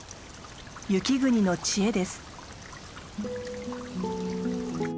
雪国の知恵です。